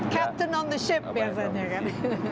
capton on the ship biasanya kan